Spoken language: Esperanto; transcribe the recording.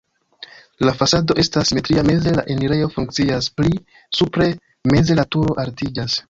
La fasado estas simetria, meze la enirejo funkcias, pli supre meze la turo altiĝas.